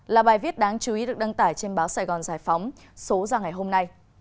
là bài viết đáng chú ý được đăng tải trên báo sài gòn giải phóng số ra ngày hôm nay